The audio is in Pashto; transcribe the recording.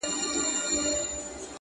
پر تندیو به د پېغلو اوربل خپور وي.!